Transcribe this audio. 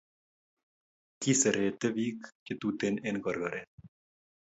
Kiserete pik che tuten enkorkoret